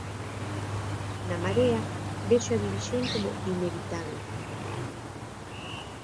Na Marea vexo a división como inevitable.